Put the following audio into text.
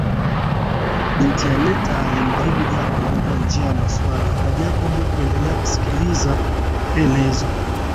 Bi Anita alimjibu Jacob kwa njia ya maswali na Jacob kuendelea kusikiliza maelezo